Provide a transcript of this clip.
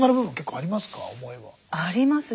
ありますね。